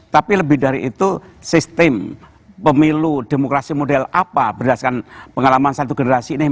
tapi lebih dari itu sistem pemilu demokrasi model apa berdasarkan pengalaman satu generasi ini